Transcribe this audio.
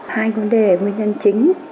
hai vấn đề nguyên nhân chính